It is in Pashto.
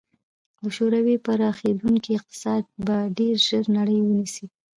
د شوروي پراخېدونکی اقتصاد به ډېر ژر نړۍ ونیسي.